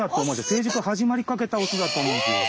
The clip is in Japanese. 成熟始まりかけたオスだと思うんですよ。